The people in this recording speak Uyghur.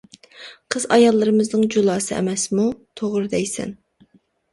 قىز-ئاياللىرىمىزنىڭ جۇلاسى ئەمەسمۇ؟ ؟؟ -توغرا دەيسەن.